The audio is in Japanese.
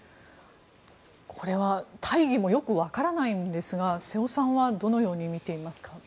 これは大義もよくわからないのですが瀬尾さんはどのように見ていますか。